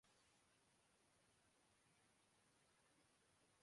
یہ national action plan کی ناکامی نہیں، کامیابی ہے۔